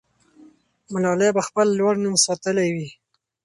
ملالۍ به خپل لوړ نوم ساتلی وي.